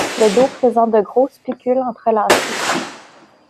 Le dos présente de gros spicules entrelacés.